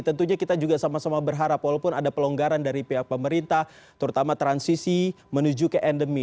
tentunya kita juga sama sama berharap walaupun ada pelonggaran dari pihak pemerintah terutama transisi menuju ke endemi